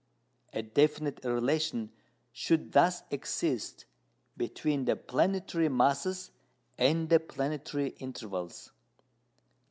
A definite relation should thus exist between the planetary masses and the planetary intervals.